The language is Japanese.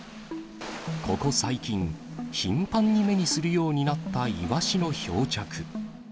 ここ最近、頻繁に目にするようになったイワシの漂着。